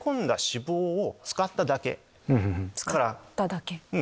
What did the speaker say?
使っただけ。